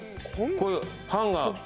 こういうハンガーねえ？